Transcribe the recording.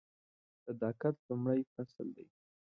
صداقت لومړی فصل دی .